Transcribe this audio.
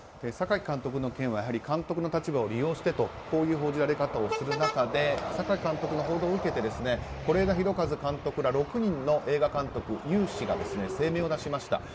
榊監督の件は監督の立場を利用してという報じられ方をする中で榊監督の報道を受けて是枝裕和監督ら６人の映画監督有志が声明を出しました。